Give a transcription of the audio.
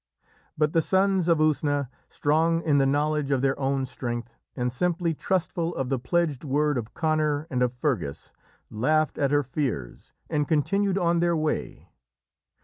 But the Sons of Usna, strong in the knowledge of their own strength, and simply trustful of the pledged word of Conor and of Fergus, laughed at her fears, and continued on their way.